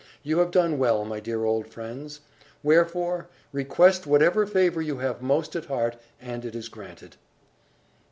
You have done well, my dear old friends. Wherefore, request whatever favour you have most at heart, and it is granted."